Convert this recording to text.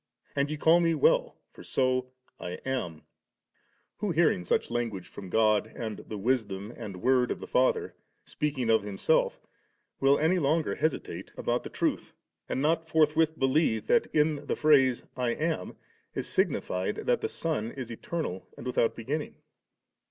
and ye call Me well, for so I am,' who, hearing such language from God, and the Wisdom, and Word of the Father, speaking of Himself, will any longer hesitate about the truth, and not forthwith believe that in the phrase *I am,' is signified that the Son is eternal and without beginning